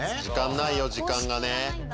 時間ないよ時間がね。